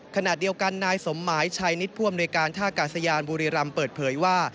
ขณะเดียวกันนายสมหมายชายนิดผู้อำนวยการท่ากาศยานบุรีรำเปิดเผยว่า